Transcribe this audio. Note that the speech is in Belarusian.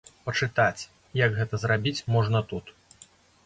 Пачытаць, як гэта зрабіць, можна тут.